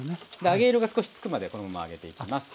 揚げ色が少しつくまでこのまま揚げていきます。